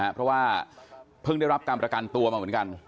เพราะว่าเพิ่งได้รับการประกันตัวมาเหมือนกัน